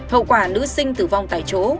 hậu quả nữ sinh tử vong tại chỗ